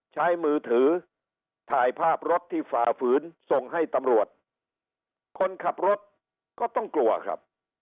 ใช้มือถือถ่ายภาพรถที่ฝ่าฝืนส่งให้ตำรวจคนขับรถก็ต้องกลัวครับ